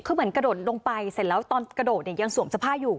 คือเหมือนกระโดดลงไปเสร็จแล้วตอนกระโดดเนี่ยยังสวมเสื้อผ้าอยู่